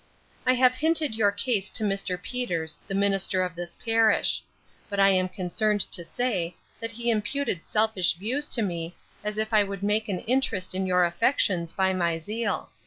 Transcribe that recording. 'I have hinted your case to Mr. Peters, the minister of this parish; but I am concerned to say, that he imputed selfish views to me, as if I would make an interest in your affections by my zeal.